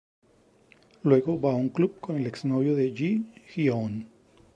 Luego va a un club con el ex-novio de Ji-hyeon.